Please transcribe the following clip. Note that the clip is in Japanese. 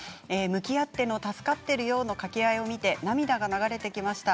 向き合っての助かっているよの掛け合いを見て涙が流れてきました。